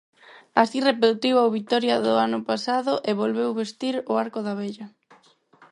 Así repetiu a vitoria do ano pasado e volveu vestir o arco da vella.